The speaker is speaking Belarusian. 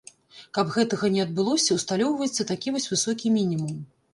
Каб гэтага не адбылося, усталёўваецца такі вось высокі мінімум.